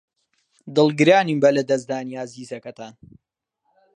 دڵگرانین بە لەدەستدانی ئازیزەکەتان.